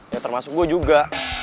ya termasuk gue juga